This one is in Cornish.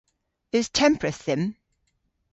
Eus tempredh dhymm?